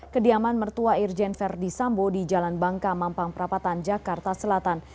kediaman mertua irjen verdi sambo di jalan bangka mampang perapatan jakarta selatan